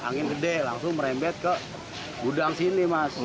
angin gede langsung merembet ke gudang sini mas